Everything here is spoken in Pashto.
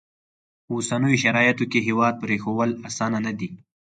په اوسنیو شرایطو کې هیواد پرېښوول اسانه نه دي.